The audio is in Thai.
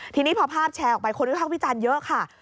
ทีนี้พอภาพแชร์ออกไปคนวิพากษ์วิจารณ์เยอะค่ะ